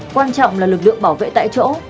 quan trọng là lực lượng bảo vệ tại chỗ